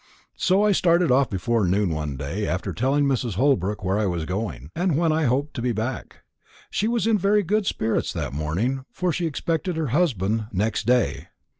So I started off before noon one day, after telling Mrs. Holbrook where I was going, and when I hoped to be back. She was in very good spirits that morning, for she expected her husband next day.